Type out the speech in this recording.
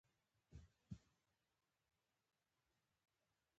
تودوخه د افغانانو د تفریح یوه وسیله ده.